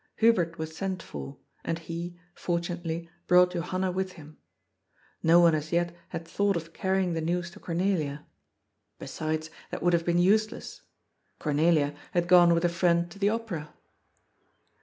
Hubert was sent for, and he, fortunately, brought Johanna with him. No one as yet had thought of carrying the news to Cornelia. Besides, that would have been use less. Cornelia had gone with a friend to the Opera.